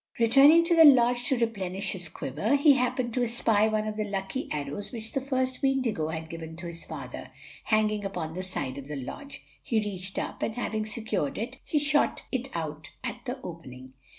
Returning to the lodge to replenish his quiver, he happened to espy one of the lucky arrows which the first Weendigo had given to his father, hanging upon the side of the lodge. He reached up, and having secured it, he shot it out at the opening.